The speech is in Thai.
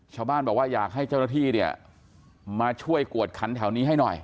ชาวบ้านบอกว่าอยากให้เจ้าหน้าที่เนี่ยมาช่วยกวดขันแถวนี้ให้หน่อย